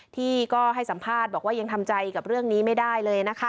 ที่ก็ให้สัมภาษณ์บอกว่ายังทำใจกับเรื่องนี้ไม่ได้เลยนะคะ